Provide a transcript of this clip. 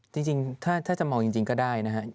จริงถ้าจะมองจริงก็ได้นะครับ